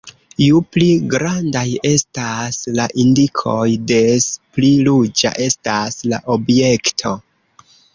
Ju pli grandaj estas la indikoj des pli ruĝa estas la objekto.